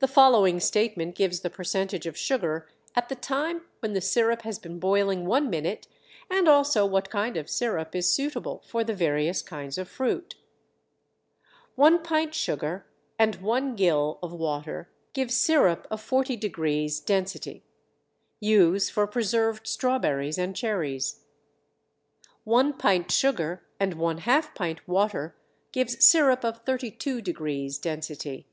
The following statement gives the percentage of sugar at the time when the sirup has been boiling one minute and also what kind of sirup is suitable for the various kinds of fruit: One pint sugar and 1 gill of water gives sirup of 40° density: Use for preserved strawberries and cherries. One pint sugar and one half pint water gives sirup of 32° density.